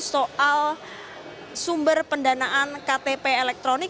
soal sumber pendanaan ktp elektronik